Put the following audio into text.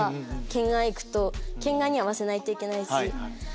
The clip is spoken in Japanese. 県外行くと県外に合わせないといけないし。